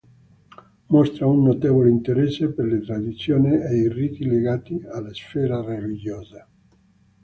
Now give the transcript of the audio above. Mostra un notevole interesse per le tradizioni e i riti legati alla sfera religiosa.